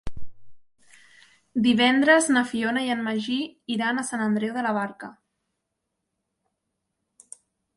Divendres na Fiona i en Magí iran a Sant Andreu de la Barca.